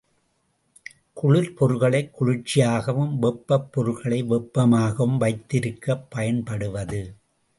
குளிர்பொருள்களைக் குளிர்ச்சியாகவும், வெப்பப் பொருள்களை வெப்பமாகவும் வைத்திருக்கப் பயன்படுவது.